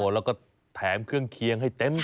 แล้วก็แถมเครื่องเคียงให้เต็ม